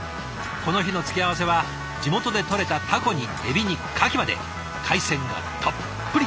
この日の付け合わせは地元でとれたたこにえびにかきまで海鮮がたっぷり。